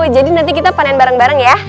jadi nanti kita panen bareng bareng ya